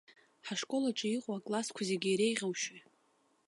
Ҳашкол аҿы иҟоу аклассқәа зегь иреиӷьушьои?